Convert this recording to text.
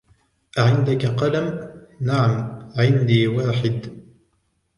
أعندك قلم؟ "نعم، عندي واحد."